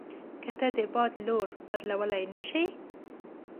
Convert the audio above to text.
که ته د باد لوری بدلوای نه شې.